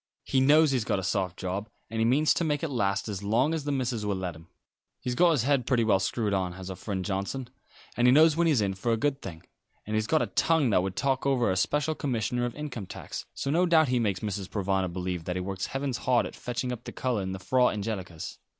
He knows he's got a soft job, and he means to make it last as long as the missus will let him. He's got his head pretty well screwed on, has our friend Johnson; and he knows when he's in for a good thing. And he's got a tongue that would talk over a special commissioner of income tax; so no doubt he makes Mrs. Provana believe that he works heavens hard at fetching up the colour in the Frau Angelicas."